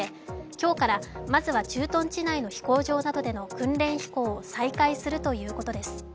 今日からまずは駐屯地内の飛行場などでの訓練飛行を再開するということです。